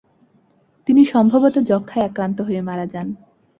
তিনি সম্ভবত যক্ষায় আক্রান্ত হয়ে মারা যান।